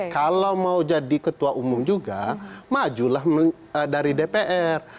kalau mau jadi ketua umum juga majulah dari dpr